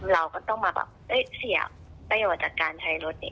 เราก็ต้องมาแบบเสียประโยชน์จากการใช้รถเอง